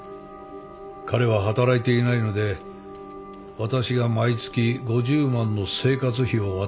彼は働いていないので私が毎月５０万の生活費を渡していました。